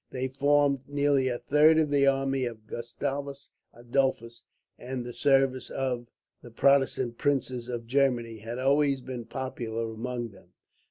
They formed nearly a third of the army of Gustavus Adolphus, and the service of the Protestant princes of Germany had always been popular among them.